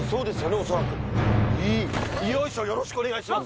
おそらくよいしょよろしくお願いします